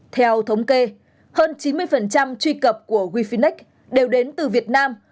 theo thống kê hơn chín mươi truy cập của wefinex đều đến từ việt nam